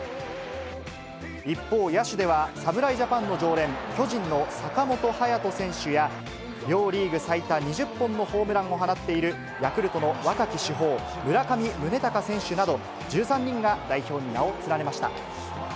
一方、野手では侍ジャパンの常連、巨人の坂本勇人選手や、両リーグ最多２０本のホームランを放っているヤクルトの若き主砲、村上宗隆選手など、１３人が代表に名を連ねました。